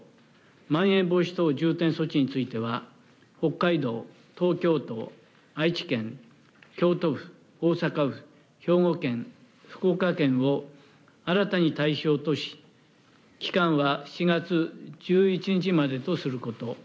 まん延防止等重点措置については、北海道、東京都、愛知県、京都府、大阪府、兵庫県、福岡県を新たに対象とし、期間は７月１１日までとすること。